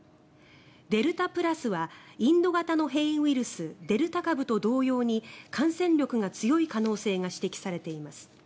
デルタプラスはインド型の変異ウイルスデルタ株と同様に感染力が強い可能性が指摘されています。